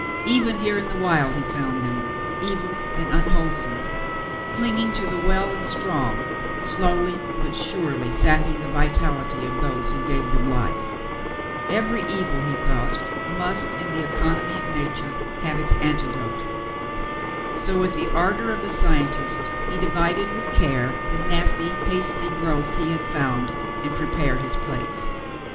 Even here in the wild he found them, evil and unwholesome, clinging to the well and strong, slowly but surely sapping the vitality of those who gave them life. Every evil, he thought, must, in the economy of nature, have its antidote. So, with the ardor of the scientist, he divided with care the nasty, pasty growth he had found and prepared his plates.